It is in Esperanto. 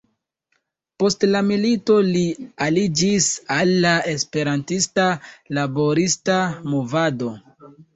Post la milito li aliĝis al la esperantista laborista movado.